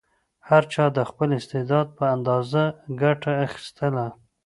هر چا د خپل استعداد په اندازه ګټه اخیستله.